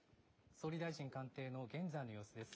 総理大臣官邸、現在の様子です。